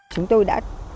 chúng tôi đã